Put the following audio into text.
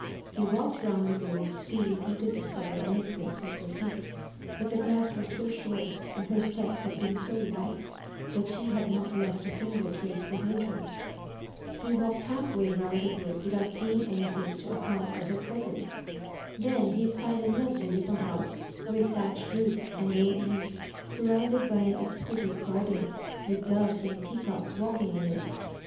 He walked round the glade to see if he could discover any prints of her feet. But the grass was so short, and her steps had been so light, that she had not left a single trace behind her. He walked half way round the wood without seeing anything to account for her presence. Then he spied a lovely little house, with thatched roof and low eaves, surrounded by an exquisite garden, with doves and peacocks walking in it.